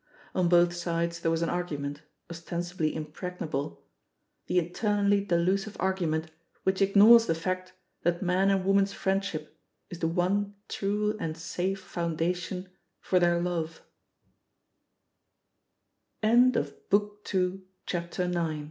On both sides there was an argument, ostensibly impregnable — the eternally delusive argument which ignores the fact that man and woman's friendship is the one true and safe foundation f